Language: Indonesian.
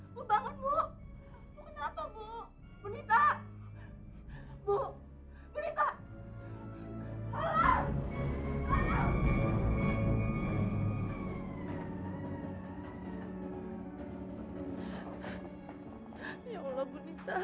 bu bertahan bu